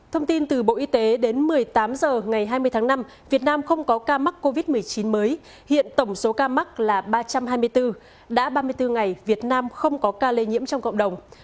thông tin từ bộ y tế đến một mươi tám h ngày hai mươi tháng năm việt nam không có ca mắc covid một mươi chín mới hiện tổng số ca mắc là ba trăm hai mươi bốn đã ba mươi bốn ngày việt nam không có ca lây nhiễm trong cộng đồng